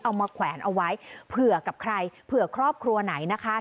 เอามาแขวนเอาไว้เผื่อกับใครเผื่อครอบครัวไหนนะคะ